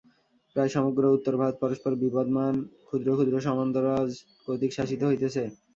প্রায় সমগ্র উত্তর-ভারত পরস্পর-বিবদমান ক্ষুদ্র ক্ষুদ্র সামন্তরাজ কর্তৃক শাসিত হইতেছে।